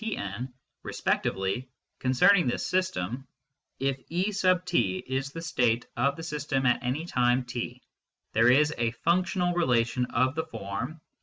t n respec tively, concerning this system, if E, is the state of the system at any time t, there is a functional relation of the form